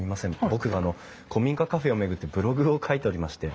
僕あの古民家カフェを巡ってブログを書いておりまして。